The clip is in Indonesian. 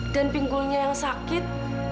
dan pinggulnya yang sakit